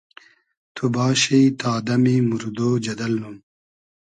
تو باشی تا دئمی موردۉ جئدئل نوم